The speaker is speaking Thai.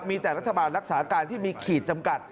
มีแต่รัฐบาลรักษาการที่มีขีดจำกัด